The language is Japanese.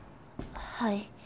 はい。